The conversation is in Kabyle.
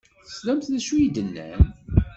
Teslamt d acu i d-nnan?